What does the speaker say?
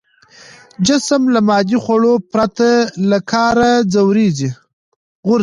جسم له مادي خوړو پرته له کاره غورځي.